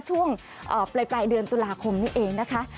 ช่วงปลายเดือนตุลาคมนี้เองนะคะ